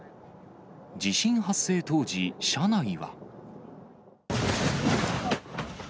地震発生当時、車内は。